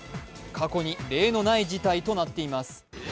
過去に例のない事態となっています。